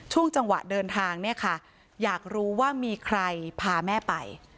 ช่วงจังหวะเดินทางเนี่ยค่ะอยากรู้ว่ามีใครพาแม่ไป